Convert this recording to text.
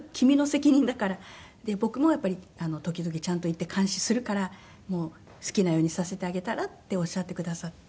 「僕も時々ちゃんと行って監視するから好きなようにさせてあげたら？」っておっしゃってくださって。